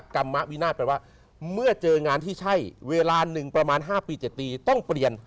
กรรมวินาศแปลว่าเมื่อเจองานที่ใช่เวลาหนึ่งประมาณ๕ปี๗ปีต้องเปลี่ยน